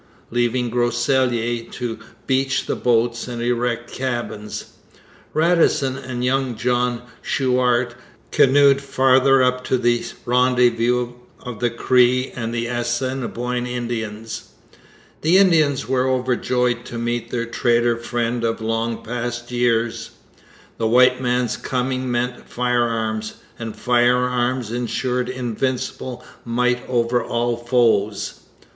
Leaving Groseilliers to beach the boats and erect cabins, Radisson and young Jean Chouart canoed farther up to the rendezvous of the Cree and Assiniboine Indians. The Indians were overjoyed to meet their trader friend of long past years. The white man's coming meant firearms, and firearms ensured invincible might over all foes.